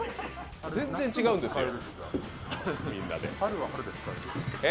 全然違うんですよ。